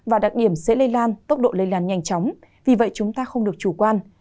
và đặc điểm dễ lây lan tốc độ lây lan nhanh chóng vì vậy chúng ta không được chủ quan